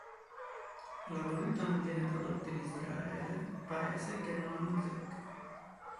La valuta non viene prodotta in Israele, paese che non ha una zecca.